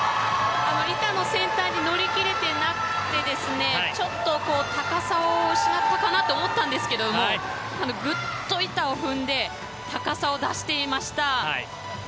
板の先端に乗り切れていなくてちょっと高さを失ったかなと思ったんですがぐっと板を踏んで高さを出していました。